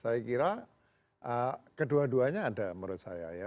saya kira kedua duanya ada menurut saya ya